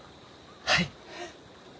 はい。